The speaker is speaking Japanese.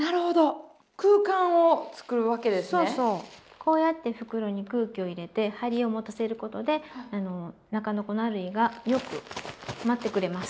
こうやって袋に空気を入れて張りを持たせることで中の粉類がよく舞ってくれます。